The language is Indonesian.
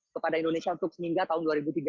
kepada indonesia untuk sehingga tahun